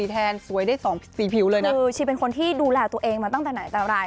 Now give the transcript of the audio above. คือชิเป็นคนที่ดูแลตัวเองมาตั้งแต่ไหนตั้งแต่ไหน